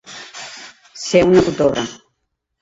Ser una cotorra.